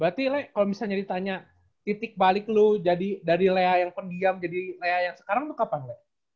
berarti le kalau misalnya ditanya titik balik lu dari lea yang kok diam jadi lea yang sekarang lu kapan le